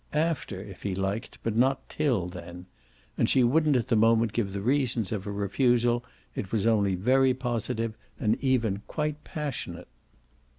AFTER, if he liked, but not till then. And she wouldn't at the moment give the reasons of her refusal; it was only very positive and even quite passionate.